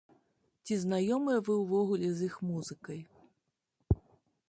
Ці знаёмыя вы ўвогуле з іх музыкай?